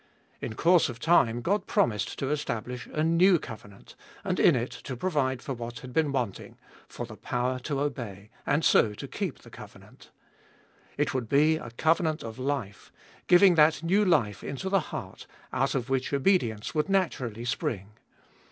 In course of time God promised to establish a new covenant, and in it to provide for what had been wanting, for the power to obey, and so to keep the covenant. It would be a covenant of life — giving that new life into the heart, out of which obedience would naturally spring.